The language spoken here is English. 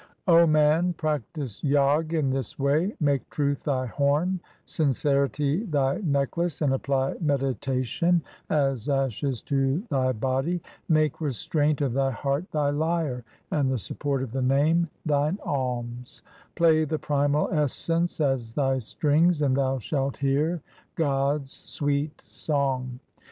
O man, practise Jog in this way :— Make truth thy horn, sincerity thy necklace, and apply meditation as ashes to thy body ; Make restraint of thy heart thy lyre, and the support of the Name thine alms ; Play the primal essence as thy strings, and thou shalt hear God's sweet song.